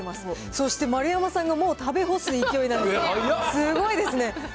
そして丸山さんがもう食べ干す勢いなんですけど、すごいですね。